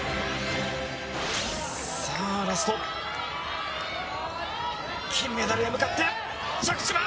さあラスト金メダルへ向かって着地は。